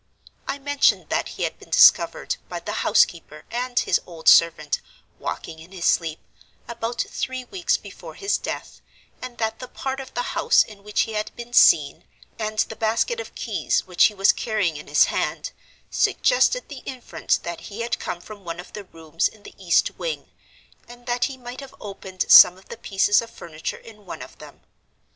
I mentioned that he had been discovered (by the housekeeper and his old servant) walking in his sleep, about three weeks before his death, and that the part of the house in which he had been seen, and the basket of keys which he was carrying in his hand, suggested the inference that he had come from one of the rooms in the east wing, and that he might have opened some of the pieces of furniture in one of them.